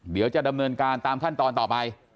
เดี๋ยวจะดำเนินการตามขั้นตอนต่อไป